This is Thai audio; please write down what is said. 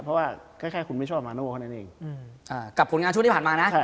เพราะว่าแค่คุณไม่ชอบมาโน่เท่านั้นเองกับผลงานช่วงที่ผ่านมานะ